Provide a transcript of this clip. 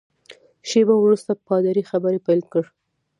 شېبه وروسته پادري خبرې پیل کړې.